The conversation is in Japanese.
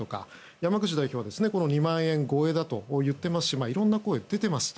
山口代表は２万円超えだと言っていますしいろいろな声が出ています。